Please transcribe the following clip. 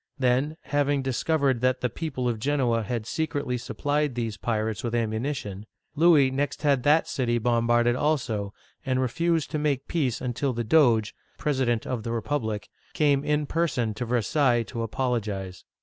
Then, having discovered that the people of Genoa had secretly supplied these pirates with ammunition, Louis next had that city bombarded also, and refused to make peace until the Doge (president of the republic) came in person to Versailles to apologize.